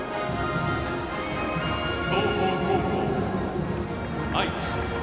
東邦高校・愛知。